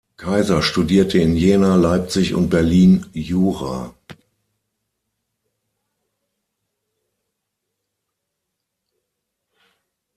Kaiser studierte in Jena, Leipzig und Berlin Jura.